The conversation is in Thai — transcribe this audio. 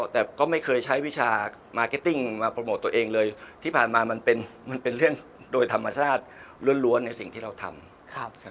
แต่ก็ไม่เคยใช้วิชามาร์เก็ตติ้งมาโปรโมทตัวเองเลยที่ผ่านมามันเป็นเรื่องโดยธรรมชาติล้วนในสิ่งที่เราทำ